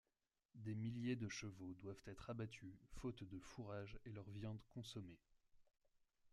Des milliers de chevaux doivent être abattus faute de fourrage et leur viande consommée.